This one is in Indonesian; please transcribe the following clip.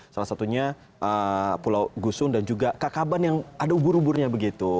salah satunya pulau gusun dan juga kakaban yang ada ubur uburnya begitu